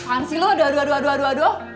anzi lu aduh aduh aduh aduh